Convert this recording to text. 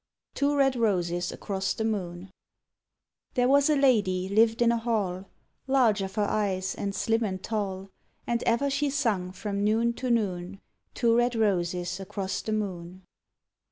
TWO RED ROSES ACROSS THE MOON There was a lady lived in a hall, Large of her eyes, and slim and tall; And ever she sung from noon to noon, _Two red roses across the moon.